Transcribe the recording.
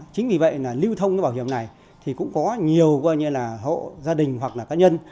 chính vì vậy là lưu thông cái bảo hiểm này thì cũng có nhiều coi như là hộ gia đình hoặc là cá nhân